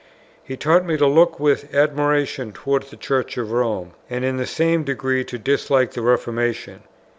He taught me to look with admiration towards the Church of Rome, and in the same degree to dislike the Reformation.